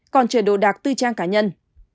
còn chờ đồ đạc tư trang cá nhân